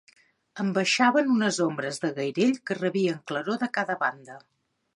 En baixaven unes ombres de gairell que rebien claror de cada banda